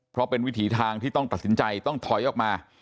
เพราะเป็นวิถีทางที่ต้องตัดสินใจต้องถอยออกมา